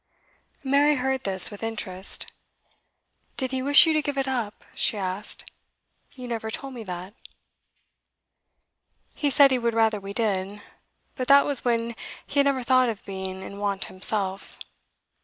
Mary heard this with interest. 'Did he wish you to give it up?' she asked. 'You never told me that.' 'He said he would rather we did. But that was when he had never thought of being in want himself.